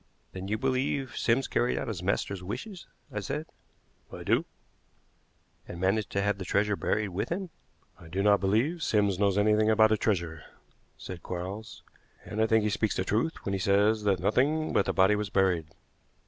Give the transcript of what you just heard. "Then you believe Sims carried out his master's wishes?" I said. "I do." "And managed to have the treasure buried with him?" "I do not believe Sims knows anything about a treasure," said Quarles; "and I think he speaks the truth when he says that nothing but the body was buried.